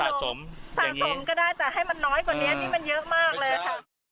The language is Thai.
สะสมก็ได้แต่ให้มันน้อยกว่านี้นี่มันเยอะมากเลยค่ะ